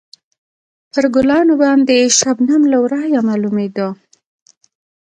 پر ګلانو باندې شبنم له ورایه معلومېده.